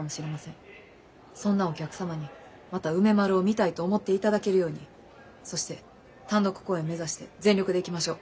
そんなお客様にまた梅丸を見たいと思っていただけるようにそして単独公演目指して全力でいきましょう。